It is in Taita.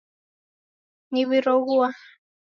Niw'iroghua